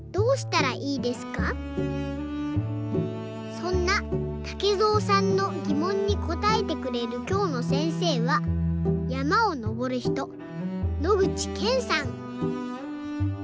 そんなたけぞうさんのぎもんにこたえてくれるきょうのせんせいはやまをのぼるひと野口健さん。